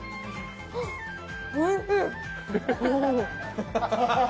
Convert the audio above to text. おいしい！